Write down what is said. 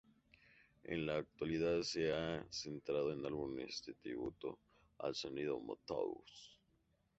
En la actualidad se ha centrado en álbumes de tributo al sonido Motown.